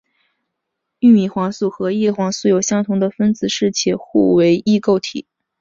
玉米黄素和叶黄素有相同的分子式且互为异构体。